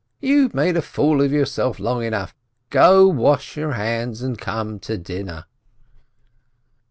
"You've made a fool of yourself long enough ! Go and wash your hands and come to dinner